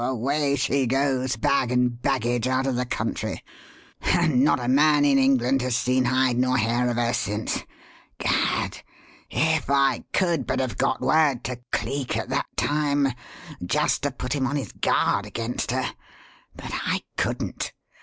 away she goes, bag and baggage, out of the country, and not a man in England has seen hide nor hair of her since. Gad! if I could but have got word to Cleek at that time just to put him on his guard against her. But I couldn't.